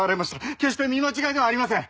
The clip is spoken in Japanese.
決して見間違いではありません。